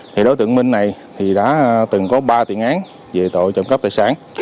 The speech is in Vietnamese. thì đối tượng minh này thì đã từng có ba tiện án về tội trộm cấp tài sản